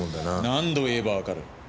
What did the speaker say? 何度言えばわかる。